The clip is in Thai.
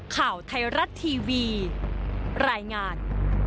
ข่าวไทยรัฐทีวีรายงาน